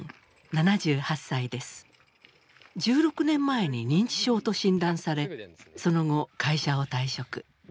１６年前に認知症と診断されその後会社を退職。